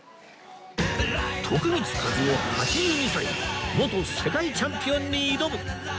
徳光和夫８２歳元世界チャンピオンに挑む！